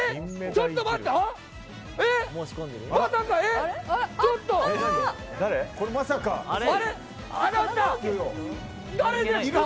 ちょっと待った！